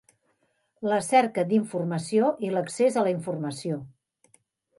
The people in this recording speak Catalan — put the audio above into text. La cerca d'informació i l'accés a la informació.